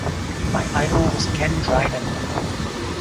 My idol was Ken Dryden.